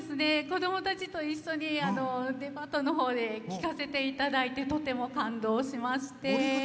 子供たちと一緒にデパートのほうで聴かせていただいてとても感動しまして。